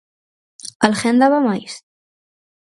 Alguén daba máis?